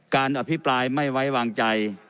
การอภิปรายไม่ไว้วางใจ